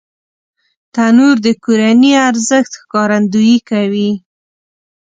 تنور د کورنی ارزښت ښکارندويي کوي